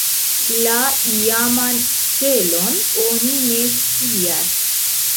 La iaman celon oni ne scias.